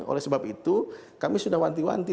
oleh sebab itu kami sudah wanti wanti